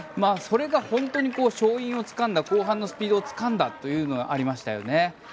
それが本当に勝因をつかんだ後半のスピードをつかんだというのがありましたよね。